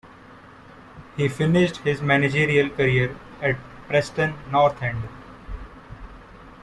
He finished his managerial career at Preston North End.